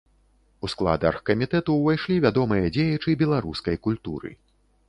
У склад аргкамітэту ўвайшлі вядомыя дзеячы беларускай культуры.